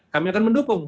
kami akan mendukung